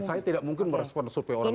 saya tidak mungkin merespon survei orang lain